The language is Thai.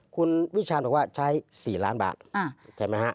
คุณวิชาณบอกว่าใช้๔ล้านบาทใช่ไหมฮะ